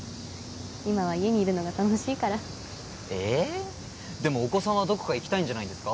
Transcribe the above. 今は家にいるのが楽しいからえっでもお子さんはどこか行きたいんじゃないですか